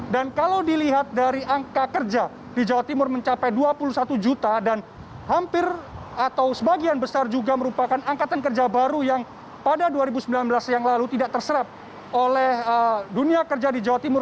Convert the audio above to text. dan kalau dilihat dari angka kerja di jawa timur mencapai dua puluh satu juta dan hampir atau sebagian besar juga merupakan angkatan kerja baru yang pada dua ribu sembilan belas yang lalu tidak terserap oleh dunia kerja di jawa timur